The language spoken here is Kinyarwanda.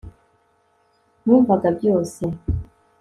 Numvaga byose